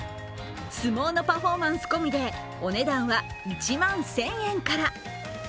相撲のパフォーマンス込みでお値段は１万１０００円から。